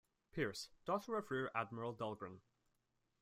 Pierce, daughter of Rear Admiral Dahlgren.